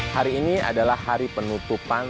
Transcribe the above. hari ini adalah hari penutupan